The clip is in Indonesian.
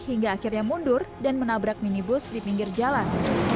hingga akhirnya mundur dan menabrak minibus di pinggir jalan